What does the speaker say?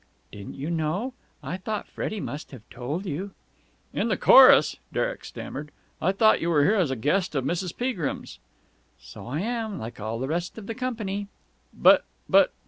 "Didn't you know? I thought Freddie must have told you." "In the chorus!" Derek stammered. "I thought you were here as a guest of Mrs. Peagrim's." "So I am like all the rest of the company." "But.... But...."